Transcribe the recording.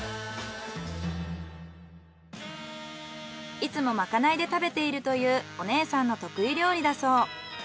いつもまかないで食べているというお姉さんの得意料理だそう。